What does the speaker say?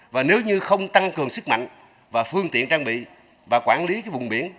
và nếu như không tăng cường sức mạnh và phương tiện trang bị và quản lý vùng biển